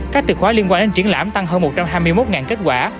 các từ khóa liên quan đến triển lãm tăng hơn một trăm hai mươi một kết quả